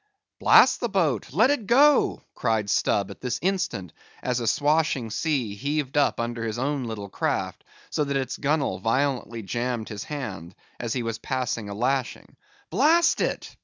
"Blast the boat! let it go!" cried Stubb at this instant, as a swashing sea heaved up under his own little craft, so that its gunwale violently jammed his hand, as he was passing a lashing. "Blast it!"